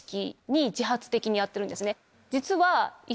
実は。